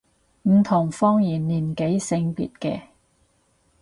唔同方言年紀性別嘅